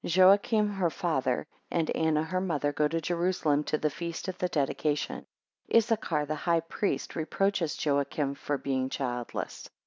7 Joachim her father, and Anna her mother, go to Jerusalem to the feast of the dedication. 9 Issachar, the high priest, reproaches Joachim for being childless.